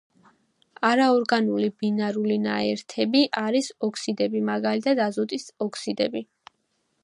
არაორგანული ბინარული ნაერთები არის ოქსიდები, მაგალითად, აზოტის ოქსიდები.